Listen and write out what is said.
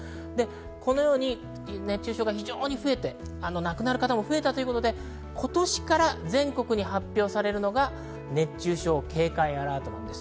このように熱中症が非常に増えて、亡くなる方も増えたということで今年から全国に発表されるのが熱中症警戒アラートなんです。